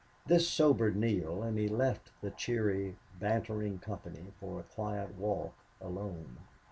This sobered Neale and he left the cheery, bantering company for a quiet walk alone.